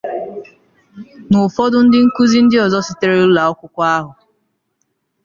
na ụfọdụ ndị nkuzi ndị ọzọ sitere ụlọakwụkwọ ahụ